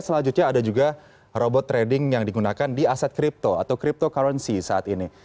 selanjutnya ada juga robot trading yang digunakan di aset kripto atau cryptocurrency saat ini